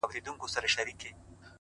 مهرباني له الفاظو زیات اغېز لري!